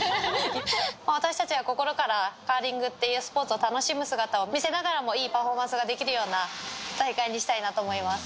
私たちが心からカーリングっていうスポーツを楽しむ姿を見せながらも、いいパフォーマンスができるような大会にしたいなと思います。